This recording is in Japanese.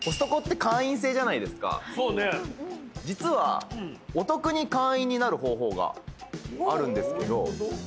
実はお得に会員になる方法があるんですけど。